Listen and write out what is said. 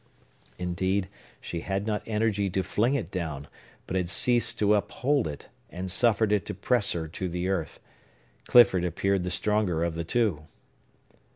Indeed, she had not energy to fling it down, but had ceased to uphold it, and suffered it to press her to the earth. Clifford appeared the stronger of the two.